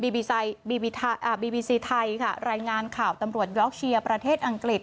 บีบีซีไทยค่ะรายงานข่าวตำรวจยอกเชียร์ประเทศอังกฤษ